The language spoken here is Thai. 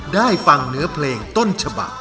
ได้ฟังเนื้อเพลงต้นฉบัก